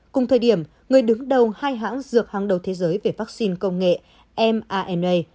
cùng thời điểm người đứng đầu hai hãng dược hàng đầu thế giới về vaccine công nghệ mrna